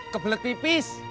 ke belek pipis